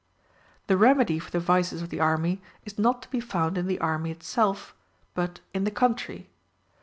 The remedy for the vices of the army is not to be found in the army itself, but in the country.